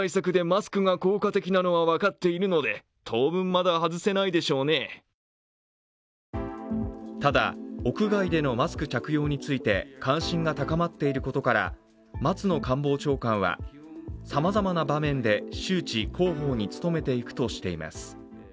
政府関係者はただ、屋外でのマスク着用について関心が高まっていることから、松野官房長官は、さまざまな場面で周知、広報に努めていくとしています。